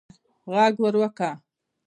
ږغ ور وکړه